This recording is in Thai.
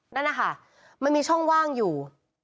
นั่นนะคะมันมีช่องว่างอยู่